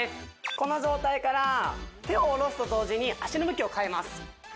この状態から手を下ろすと同時に足の向きを変えます